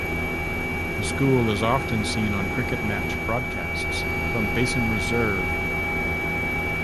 The school is often seen on cricket match broadcasts from Basin Reserve.